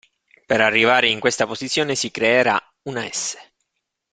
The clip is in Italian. Per arrivare in questa posizione si creerà una "S".